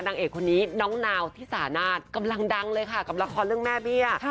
นางเอกคนนี้น้องนาวที่สานาศกำลังดังเลยค่ะกับละครเรื่องแม่เบี้ย